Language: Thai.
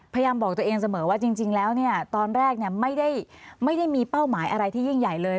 พยายามบอกตัวเองเสมอว่าจริงแล้วเนี่ยตอนแรกไม่ได้มีเป้าหมายอะไรที่ยิ่งใหญ่เลย